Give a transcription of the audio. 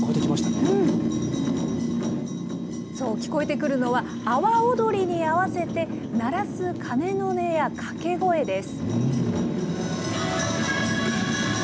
そう、聞こえてくるのは、阿波おどりに合わせて鳴らす鐘の音や掛け声です。